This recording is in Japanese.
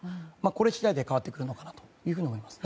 これ次第で変わってくるのかなと思います。